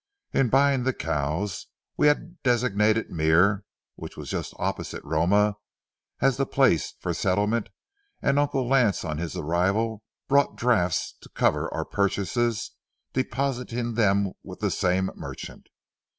In buying the cows we had designated Mier, which was just opposite Roma, as the place for settlement and Uncle Lance on his arrival brought drafts to cover our purchases, depositing them with the same merchant.